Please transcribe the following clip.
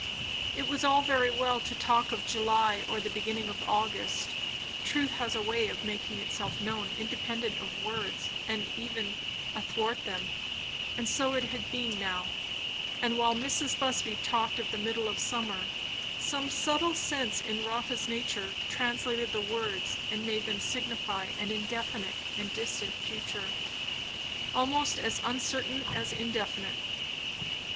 It was all very well to talk of July or the beginning of August; truth has a way of making itself known independent of words and even athwart them; and so it had been now; and while Mrs. Busby talked of the middle of summer, some subtle sense in Rotha's nature translated the words and made them signify an indefinite and distant future, almost as uncertain as indefinite.